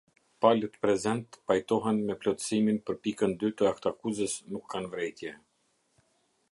Palët prezent pajtohen me plotësimin për pikën dy të aktakuzës nuk kane vërejtje.